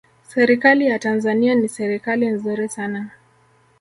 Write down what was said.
serikali ya tanzania ni serikali nzuri sana